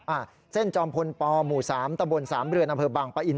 อ่ะเส้นจอมพลปหมู่๓ตะบล๓เรือนอเผิดบังปะอิน